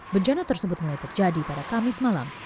bencana tersebut mulai terjadi pada kamis malam